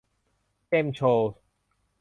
เกมส์โชว์